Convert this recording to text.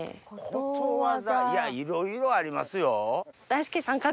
いろいろありますよ。